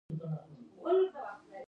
د ډبرو سکرو لوګی هوا خرابوي؟